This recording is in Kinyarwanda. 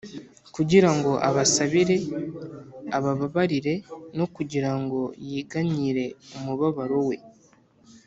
kugira ngo abasabire, abababarire, no kugira ngo yiganyire umubabaro we